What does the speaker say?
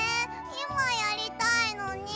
いまやりたいのに。